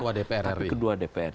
tapi kedua dprri